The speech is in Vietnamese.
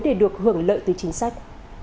để được hưởng lợi từ chính sách